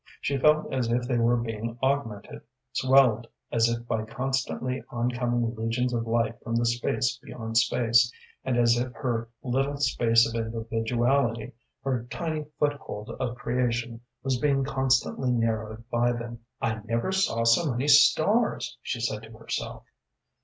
She felt as if they were being augmented, swelled as if by constantly oncoming legions of light from the space beyond space, and as if her little space of individuality, her tiny foothold of creation, was being constantly narrowed by them. "I never saw so many stars," she said to herself.